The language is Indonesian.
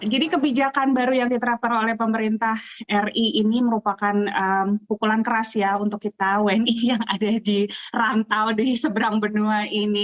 jadi kebijakan baru yang diterapkan oleh pemerintah ri ini merupakan pukulan keras ya untuk kita wni yang ada di rantau di seberang benua ini